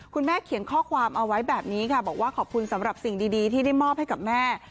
คุณแม่เขียนข้อความเอาไว้แบบนี้ค่ะบอกว่าขอบคุณสำหรับสิ่งดีที่ได้มอบให้กับแม่